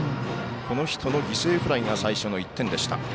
この人の犠牲フライが最初の１点でした。